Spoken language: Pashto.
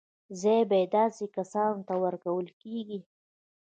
ځای به یې داسې کسانو ته ورکول کېږي.